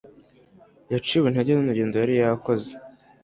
yaciwe intege nurugedo yari yakoze